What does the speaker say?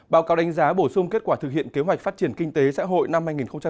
báo cáo đánh giá bổ sung kết quả thực hiện kế hoạch phát triển kinh tế xã hội năm hai nghìn hai mươi